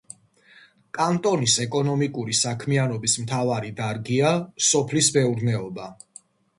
კანტონის ეკონომიკური საქმიანობის მთავარი დარგია სოფლის მეურნეობა.